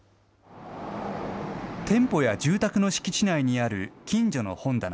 店舗や住宅の敷地内にあるきんじょの本棚。